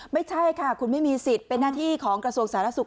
ไม่ใช่ค่ะคุณไม่มีสิทธิ์เป็นหน้าที่ของกระทรวงสาธารณสุข